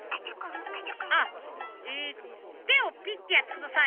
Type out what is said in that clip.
えっとてをピッてやってください。